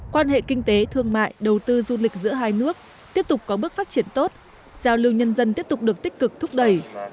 quan hệ kinh tế thương mại đầu tư du lịch giữa hai nước tiếp tục có bước phát triển tốt giao lưu nhân dân tiếp tục được tích cực thúc đẩy